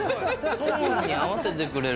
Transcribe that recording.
トーンに合わせてくれる。